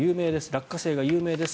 落花生が有名です。